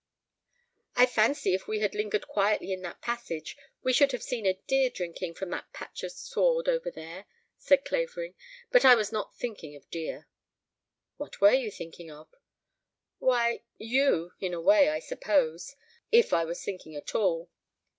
"I fancy if we had lingered quietly in that passage we should have seen deer drinking from that patch of sward over there," said Clavering. "But I was not thinking of deer." "What were you thinking of?" "Why you in a way, I suppose. If I was thinking at all.